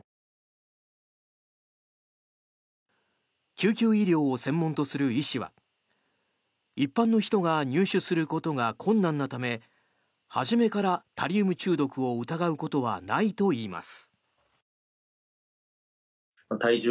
救急医療を専門とする医師は一般の人が入手することが困難なため初めからタリウム中毒を疑うことはないといいます。